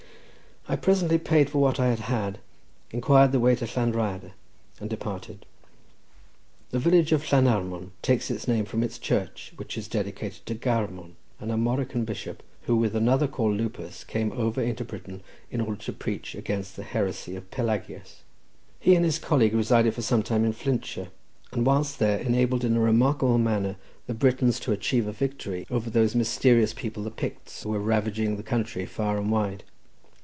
I presently paid for what I had had, inquired the way to Llan Rhyadr, and departed. The village of Llanarmon takes its name from its church, which is dedicated to Garmon, an Armorican bishop, who, with another called Lupus, came over into Britain in order to preach against the heresy of Pelagius. He and his colleague resided for some time in Flintshire, and whilst there enabled, in a remarkable manner, the Britons to achieve a victory over those mysterious people the Picts, who were ravaging the country far and wide.